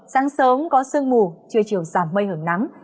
sáng sớm có sương mù trưa chiều giảm mây hưởng nắng